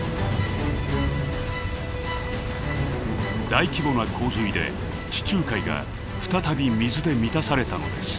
大規模な洪水で地中海が再び水で満たされたのです。